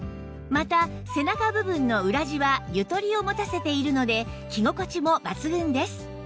また背中部分の裏地はゆとりを持たせているので着心地も抜群です